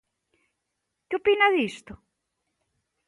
Que opina disto?